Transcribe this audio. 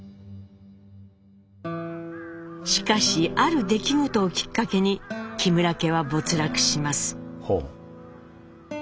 しかしある出来事をきっかけに木村家は没落します。